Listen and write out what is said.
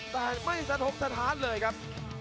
แต่ไม่สะทกสถานเลยครับ